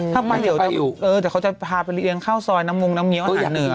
ถ้าไปเดี๋ยวเออแต่เขาจะพาไปเรียนข้าวซออยนำมุงนำเมี๋วอาหารเหงอะนะเนี่ย